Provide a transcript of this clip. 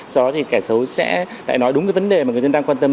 sau đó thì kẻ xấu sẽ lại nói đúng cái vấn đề mà người dân đang quan tâm